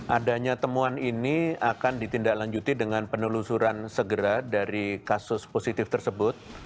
adanya temuan ini akan ditindaklanjuti dengan penelusuran segera dari kasus positif tersebut